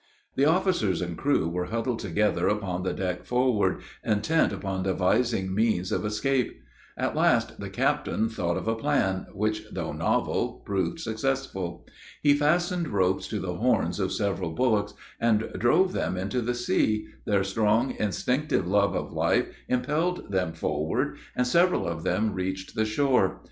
The officers and crew were huddled together upon the deck forward, intent upon devising means of escape; at last the captain thought of a plan, which, though novel, proved successful. He fastened ropes to the horns of several bullocks, and drove them into the sea, their strong, instinctive love of life impelled them forward, and several of them reached the shore.